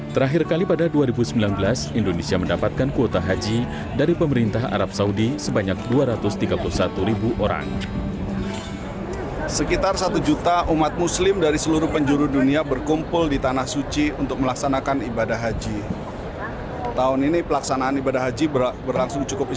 terakhir kali pada dua ribu sembilan belas indonesia mendapatkan kuota haji dari pemerintah arab saudi sebanyak dua ratus tiga puluh satu orang